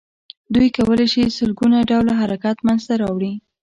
دوی کولای شي سل ګونه ډوله حرکت منځ ته راوړي.